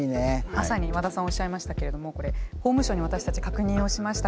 まさに和田さんおっしゃいましたけれどもこれ法務省に私たち確認をしました